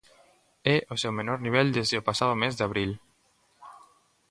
É o seu menor nivel desde o pasado mes de abril.